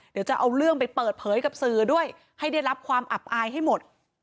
เดี๋ยวจะเอาเรื่องไปเปิดเผยกับสื่อด้วยให้ได้รับความอับอายให้หมด